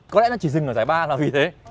có lẽ nó chỉ dừng ở giải ba là vì thế